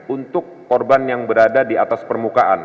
untuk korban yang berada di atas permukaan